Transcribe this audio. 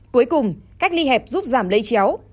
cuối cùng cách ly hẹp giúp giảm lây chéo